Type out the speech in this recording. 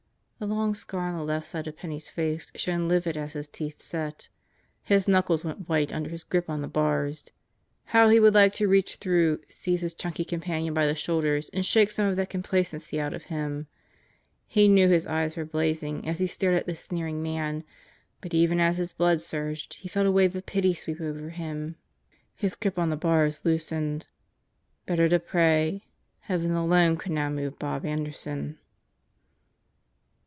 The long scar on the left side of Penney's face shone livid as his teeth set. His knuckles went white under his grip on the bars. How he would like to reach through, seize his chunky companion by the shoulders and shake some of that complacency out of him. He knew his eyes were blazing as he stared at this sneering man. But even as his blood surged he felt a wave of pity sweep over him. His grip on the bars loosened. Better to pray. Heaven alone could now move Bob Anderson.